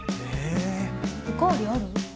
お代わりある？